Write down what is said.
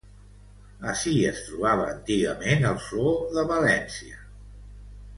Ací es trobava antigament el zoo de València.